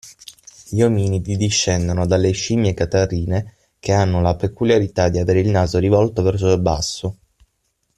Gli ominidi discendono dalle scimmie catarrine che hanno la peculiarità di avere il naso rivolto verso il basso.